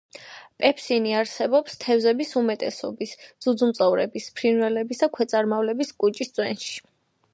პეპსინი არსებობს თევზების უმეტესობის, ძუძუმწოვრების, ფრინველების და ქვეწარმავლების კუჭის წვენში.